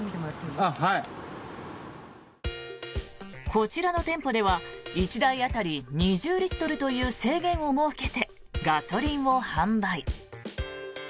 こちらの店舗では１台当たり２０リットルという制限を設けてガソリンを販売。